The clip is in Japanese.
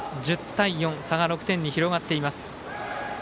１０対４差が６点に広がっています。